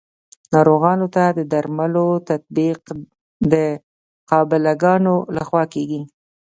ناروغانو ته د درملو تطبیق د قابله ګانو لخوا کیږي.